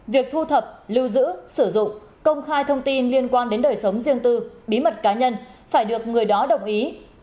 việc thu thập lưu giữ sử dụng công khai thông tin liên quan đến đời sống riêng tư bí mật cá nhân phải được người đó đồng ý